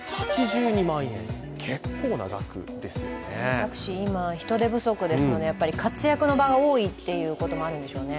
タクシー、今、人手不足ですので活躍の場が多いということもあるんでしょうね